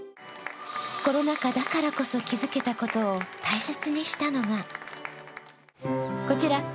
コロナ禍だからこそ気付けたことを大切にしたのがこちら